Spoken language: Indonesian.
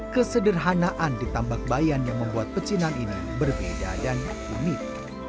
kesederhanaan di tambak bayan yang membuat pecinan ini berbeda dan umit